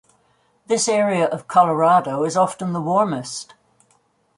This area of Colorado is often the warmest.